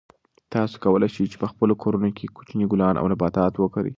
تاسو کولای شئ چې په خپلو کورونو کې کوچني ګلان او نباتات وکرئ.